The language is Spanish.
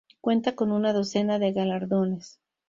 Cuenta con una docena de galardones.